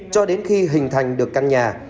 cho đến khi hình thành được căn nhà